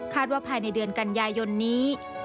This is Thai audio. ว่าภายในเดือนกันยายนนี้